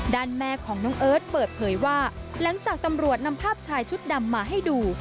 แม่ของน้องเอิร์ทเปิดเผยว่าหลังจากตำรวจนำภาพชายชุดดำมาให้ดู